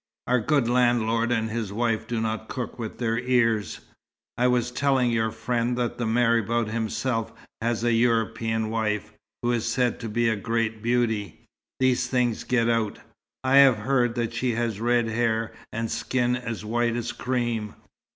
Our good landlord and his wife do not cook with their ears. I was telling your friend that the marabout himself has a European wife who is said to be a great beauty. These things get out. I have heard that she has red hair and skin as white as cream.